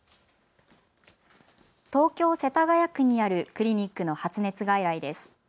東京世田谷区にあるクリニックの発熱外来です。